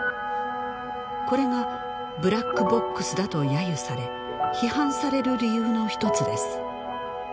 これがブラックボックスだと揶揄され批判される理由の一つです